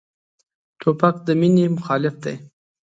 توپک د مینې مخالف دی.